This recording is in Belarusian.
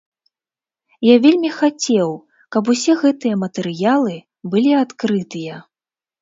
Я вельмі хацеў, каб усе гэтыя матэрыялы былі адкрытыя.